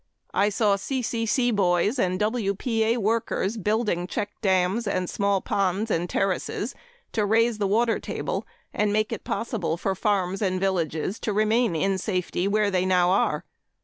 I saw C.C.C. boys and W.P.A. workers building check dams and small ponds and terraces to raise the water table and make it possible for farms and villages to remain in safety where they now are.